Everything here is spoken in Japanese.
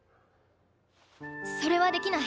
それはできない。